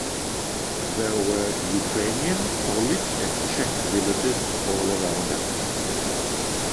There were Ukrainian, Polish, and Czech villages all around us.